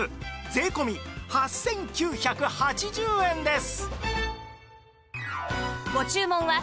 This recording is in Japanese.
税込８９８０円です